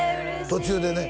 途中でね